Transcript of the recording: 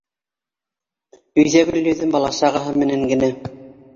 Өйҙә Гөлйөҙөм бала-сағаһы менән генә.